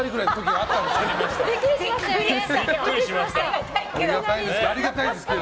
ありがたいけど。